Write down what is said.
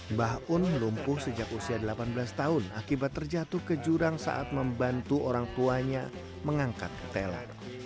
mbah un lumpuh sejak usia delapan belas tahun akibat terjatuh ke jurang saat membantu orang tuanya mengangkat ketela